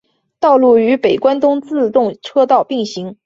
道路与北关东自动车道并行。